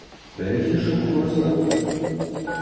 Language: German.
Welche Schuhgröße?